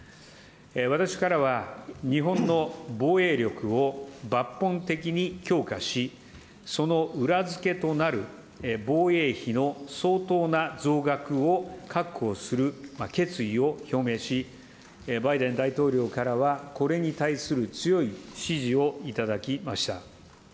私からは、日本の防衛力を抜本的に強化し、その裏付けとなる防衛費の相当な増額を確保する決意を表明し、バイデン大統領からは、これに対する強い支持を頂きました。